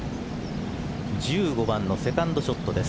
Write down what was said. １５番のセカンドショットです。